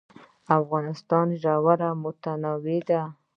د افغانستان ژوي متنوع دي